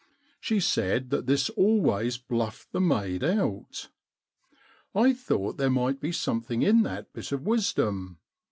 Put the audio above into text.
She said that this always bluffed the maid out. I thought there might be something in that bit of wisdom.